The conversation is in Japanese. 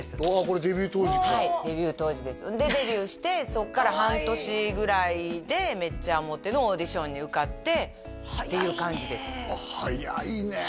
これデビュー当時かはいデビュー当時ですでデビューしてそっから半年ぐらいで「めちゃモテ」のオーディションに受かってっていう感じですあっ